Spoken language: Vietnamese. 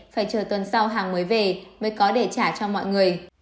phải chờ tuần sau hàng mới về mới có để trả cho mọi người